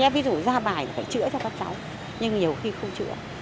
ví dụ ra bài là phải chữa cho các cháu nhưng nhiều khi không chữa